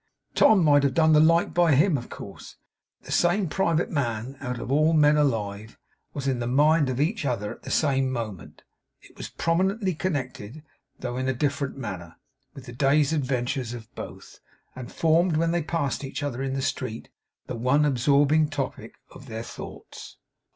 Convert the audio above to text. Tom might have done the like by him of course. But the same private man out of all the men alive, was in the mind of each at the same moment; was prominently connected though in a different manner, with the day's adventures of both; and formed, when they passed each other in the street, the one absorbing topic of their thoughts.